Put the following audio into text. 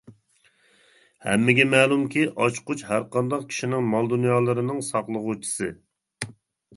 ھەممىگە مەلۇمكى، ئاچقۇچ ھەرقانداق كىشىنىڭ مال-دۇنيالىرىنىڭ ساقلىغۇچىسى.